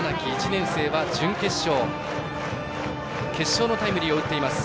１年生は、準決勝で決勝のタイムリーを打っています。